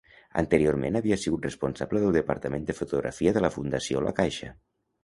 Anteriorment havia sigut responsable del departament de fotografia de la Fundació La Caixa.